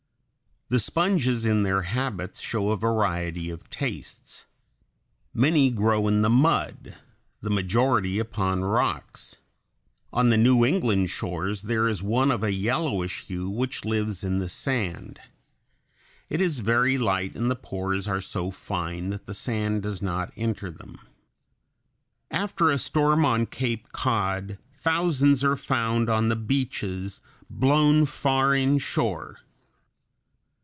The sponges in their habits show a variety of tastes. Many grow in the mud, the majority upon rocks. On the New England shores there is one of a yellowish hue which lives in the sand. It is very light, and the pores are so fine that the sand does not enter them. After a storm on Cape Cod thousands are found on the beaches, blown far inshore.